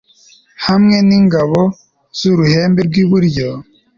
hamwe n'ingabo z'uruhembe rw'iburyo